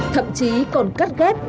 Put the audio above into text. thậm chí còn cắt ghép